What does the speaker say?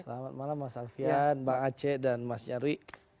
selamat malam mas alfian pak aceh dan mas sherwi